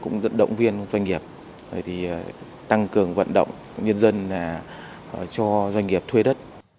cũng động viên doanh nghiệp tăng cường vận động nhân dân cho doanh nghiệp thuê đất